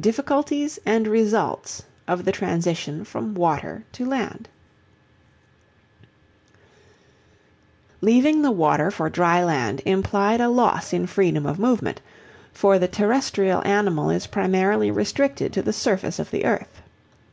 Difficulties and Results of the Transition from Water to Land Leaving the water for dry land implied a loss in freedom of movement, for the terrestrial animal is primarily restricted to the surface of the earth.